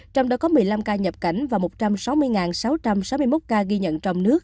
trong đó có một mươi năm ca nhập cảnh và một trăm sáu mươi sáu trăm sáu mươi một ca ghi nhận trong nước